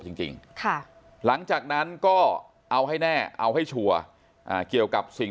จริงจริงค่ะหลังจากนั้นก็เอาให้แน่เอาให้ชัวร์เกี่ยวกับสิ่ง